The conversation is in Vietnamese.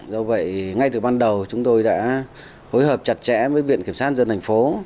do vậy ngay từ ban đầu chúng tôi đã phối hợp chặt chẽ với viện kiểm sát dân thành phố